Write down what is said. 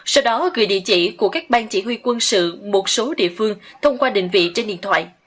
sau đó gửi địa chỉ của các bang chỉ huy quân sự một số địa phương thông qua định vị trên điện thoại